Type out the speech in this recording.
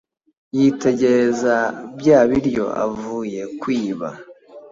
yitegereza bya biryo avuye kwiba,